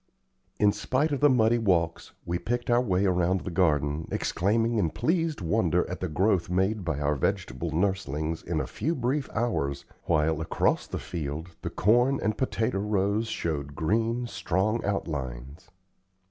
In spite of the muddy walks, we picked our way around the garden, exclaiming in pleased wonder at the growth made by our vegetable nurslings in a few brief hours, while, across the field, the corn and potato rows showed green, strong outlines.